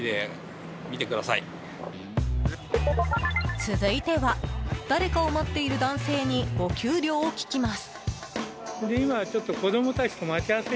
続いては誰かを待っている男性に、お給料を聞きます。